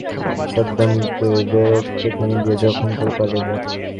কথা-কাটাকাটির একপর্যায়ে তাঁরা সাদ্দামকে বেধড়ক পিটুনি দিয়ে জখম করে পালিয়ে যান।